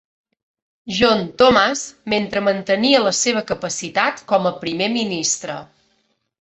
John Thomas, mentre mantenia la seva capacitat com a Primer ministre.